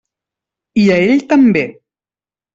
I a ell també.